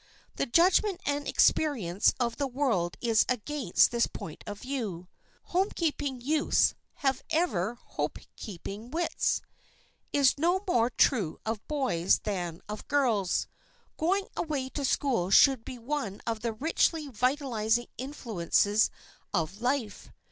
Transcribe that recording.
The judgment and experience of the world is against this point of view. "Homekeeping youths have ever homekeeping wits," is no more true of boys than of girls. Going away to school should be one of the richly vitalizing influences of life.